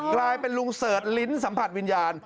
กลายเป็นลุงเสิร์ชลิ้นสัมผัสวิญญาณ